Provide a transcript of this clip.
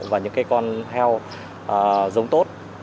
và những cái con heo giống tốt